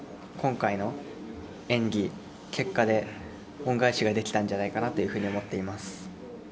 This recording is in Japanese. そこは今回の演技、結果で恩返しができたんじゃないかというふうに思っています。